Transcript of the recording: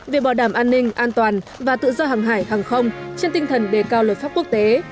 về bảo đảm an ninh an toàn và tự do hàng hải hàng không trên tinh thần đề cao lực lượng